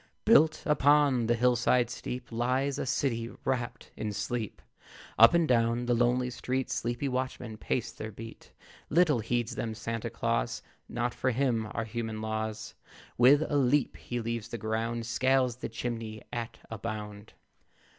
Built upon a hill side steep Lies a city wrapt in sleep. Up and down the lonely street Sleepy watchmen pace their beat. Little heeds them Santa Claus; Not for him are human laws. With a leap he leaves the ground, Scales the chimney at a bound.